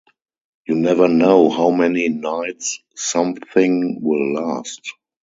You never know how many nights something will last.